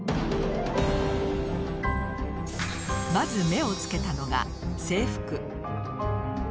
まず目をつけたのが制服。